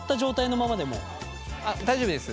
大丈夫です